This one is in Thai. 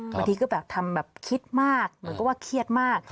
บางทีก็แบบทำแบบคิดมากเหมือนกับว่าเครียดมาก